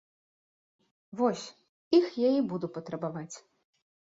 Вось, іх я і буду патрабаваць.